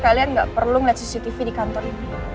kalian gak perlu ngeliat cctv di kantor ini